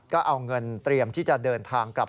ก็เอาเงินเตรียมที่จะเดินทางกลับ